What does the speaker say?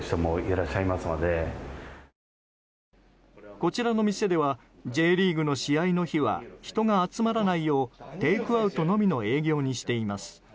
こちらの店ではＪリーグの試合の日は人が集まらないようテイクアウトのみの営業にしています。